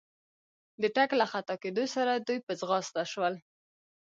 د ټک له خطا کېدو سره دوی په ځغستا شول.